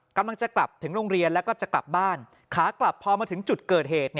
กำลังจะกลับถึงโรงเรียนแล้วก็จะกลับบ้านขากลับพอมาถึงจุดเกิดเหตุ